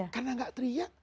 karena enggak teriak